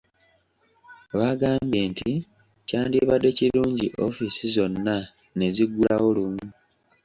Baagambye nti kyandibadde kirungi ofiisi zonna ne ziggulawo lumu.